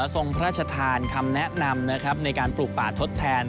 ทรงพระราชทานคำแนะนำนะครับในการปลูกป่าทดแทน